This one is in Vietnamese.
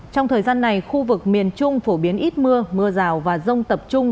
trong thời gian này khu vực miền trung phổ biến ít mưa mưa rào và rông tập trung